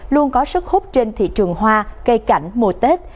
luôn có sức hút trên thị trường hoa cây cảnh mùa tết